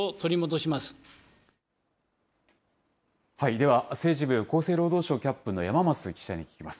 では、政治部厚生労働省キャップの山枡記者に聞きます。